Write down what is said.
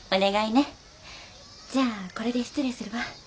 じゃあこれで失礼するわ。